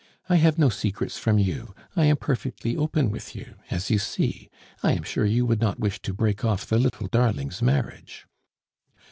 I have no secrets from you; I am perfectly open with you, as you see. I am sure you would not wish to break off the little darling's marriage."